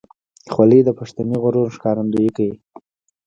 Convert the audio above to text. خولۍ د پښتني غرور ښکارندویي کوي.